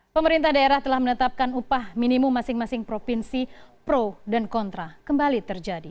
pemerintah daerah telah menetapkan upah minimum masing masing provinsi pro dan kontra kembali terjadi